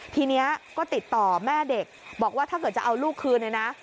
ทีนี้ก็ติดต่อแม่เด็กบอกว่าถ้าเกิดจะเอาลูกคืนเลยนะ